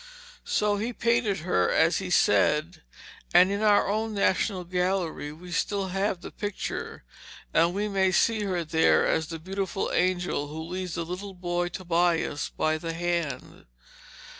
So he painted her as he said. And in our own National Gallery we still have the picture, and we may see her there as the beautiful angel who leads the little boy Tobias by the hand.